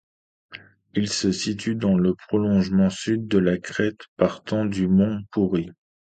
Il se situe dans le prolongement sud de la crête partant du Mont Pourri.